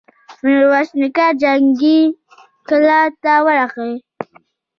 ميرويس نيکه جنګي کلا ته ورغی.